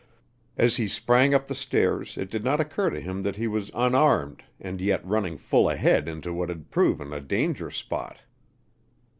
As he sprang up the stairs it did not occur to him that he was unarmed and yet running full ahead into what had proven a danger spot.